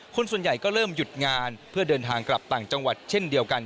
คนส่วนใหญ่ก็เริ่มหยุดงานเพื่อเดินทางกลับต่างจังหวัดเช่นเดียวกัน